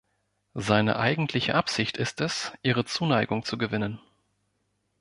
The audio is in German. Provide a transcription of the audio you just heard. Seine eigentliche Absicht ist es, ihre Zuneigung zu gewinnen.